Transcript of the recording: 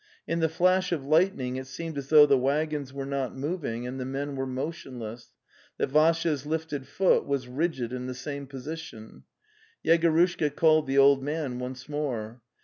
In the flash of lightning it seemed as though the waggons were not moving and the men were motionless, that Vassya's lifted foot was rigid in the same position. ... Yegorushka called the old man once more.